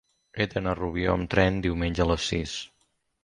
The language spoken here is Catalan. He d'anar a Rubió amb tren diumenge a les sis.